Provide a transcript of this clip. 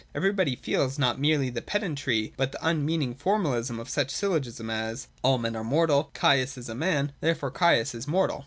Everybody feels not merely the pedantry, but the unmeaning formalism of such syllogisms as : All men are mortal, Caius is a man, therefore Caius is mortal.